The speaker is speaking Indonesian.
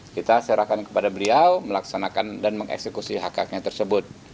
kita serahkan kepada beliau melaksanakan dan mengeksekusi hak haknya tersebut